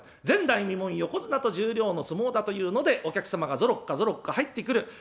前代未聞横綱と十両の相撲だというのでお客様がぞろっかぞろっか入ってくる。